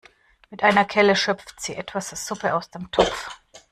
Mit einer Kelle schöpft sie etwas Suppe aus dem Topf.